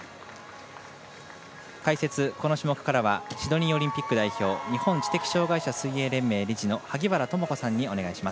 解説、この種目からはシドニーオリンピック代表日本知的障害者水泳連盟理事の萩原智子さんにお願いします。